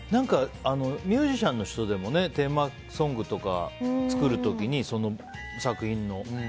ミュージシャンの人でもテーマソングとか作る時にその作品の。